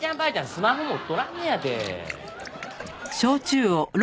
スマホ持っとらんのやて。